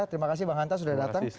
terima kasih bang hanta sudah datang